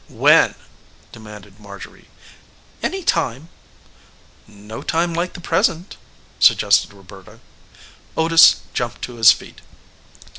"When?" demanded Marjorie. "Any time." "No time like the present," suggested Roberta. Otis jumped to his feet.